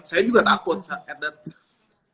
saya juga takut saat itu